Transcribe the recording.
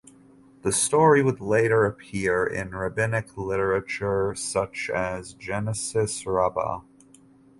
The story would later appear in rabbinic literature such as the Genesis Rabbah.